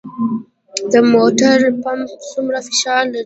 د موټر پمپ څومره فشار لري؟